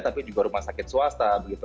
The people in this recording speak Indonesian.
tapi juga rumah sakit swasta